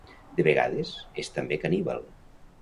De vegades, és també caníbal.